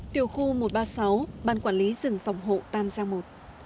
tiểu khu một trăm ba mươi sáu ban quản lý rừng phòng hộ tam giang i